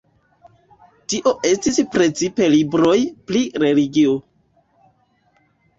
Tio estis precipe libroj pri religio.